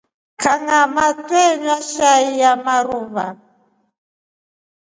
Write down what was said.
Kangʼamaa twenywa shai ya marua.